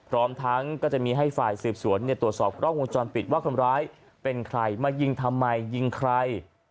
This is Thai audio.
พร้อมทั้งก็จะมีให้ฝ่ายสืบสวนตรวจสอบกล้องวงจรปิดว่าคนร้ายเป็นใครมายิงทำไมยิงใคร